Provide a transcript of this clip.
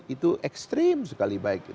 itu ekstrim sekali baik